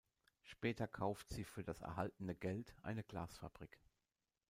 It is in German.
Später kauft sie für das erhaltene Geld eine Glasfabrik.